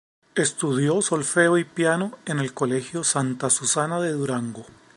Estudió solfeo y piano en el colegio Santa Susana de Durango.